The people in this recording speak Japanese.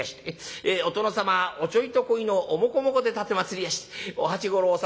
お殿様おちょいとこいのおもこもこで奉りやしてお八五郎様